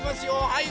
はい。